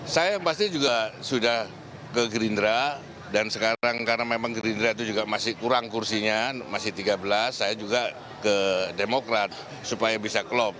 saya pasti juga sudah ke gerindra dan sekarang karena memang gerindra itu juga masih kurang kursinya masih tiga belas saya juga ke demokrat supaya bisa klop